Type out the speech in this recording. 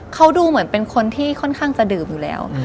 เขาดูเหมือนเป็นคนที่ค่อนข้างจะดื่มอยู่แล้ว